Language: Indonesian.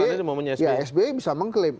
iya sbe bisa mengklaim